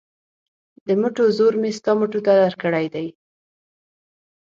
د مټو زور مې ستا مټو ته درکړی دی.